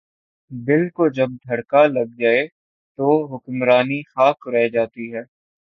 دل کو جب دھڑکا لگ جائے تو حکمرانی خاک رہ جاتی ہے۔